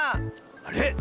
あれ？